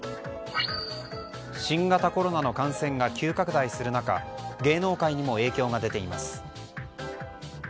新型コロナの感染が急拡大する中芸能界にも影響が出ています。